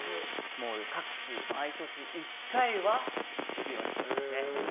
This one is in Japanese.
各地、毎年１回は行ってるようにしてますね。